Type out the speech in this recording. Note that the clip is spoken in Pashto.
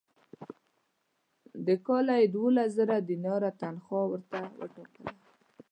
د کاله یې دوولس زره دیناره تنخوا راته وټاکله.